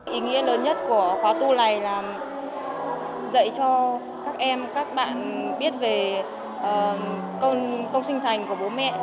ý nghĩa lớn nhất của khóa tu này là dạy cho các em các bạn biết về công sinh thành của bố mẹ